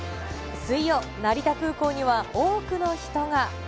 水曜、成田空港には多くの人が。